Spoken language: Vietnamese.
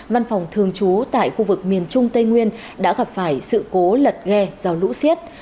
văn phòng thường trú tại khu vực miền trung tây nguyên đã gặp phải sự cố lật ghe do lũ siết